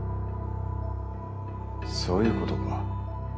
そういうことか。